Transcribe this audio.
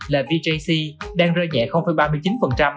là vjc đang rơi nhẹ ba mươi chín